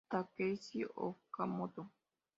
Takeshi Okamoto